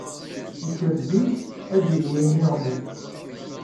Yekker zik ad d-yelwi iniɣman.